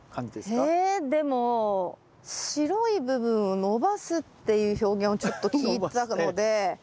えでも白い部分を伸ばすっていう表現をちょっと聞いたので。